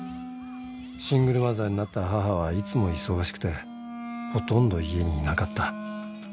シングルマザーになった母はいつも忙しくてほとんど家にいなかった